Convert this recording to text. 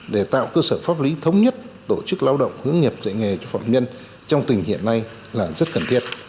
để tạo cơ sở pháp lý thống nhất tổ chức lao động hướng nghiệp dạy nghề cho phạm nhân trong tình hiện nay là rất cần thiết